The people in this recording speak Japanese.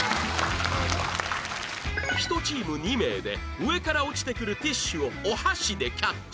１チーム２名で上から落ちてくるティッシュをお箸でキャッチ